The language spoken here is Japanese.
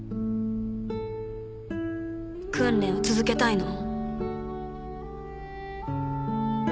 訓練を続けたいの？